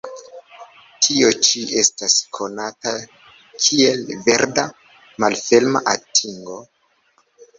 Tio ĉi estas konata kiel 'verda' malferma atingo.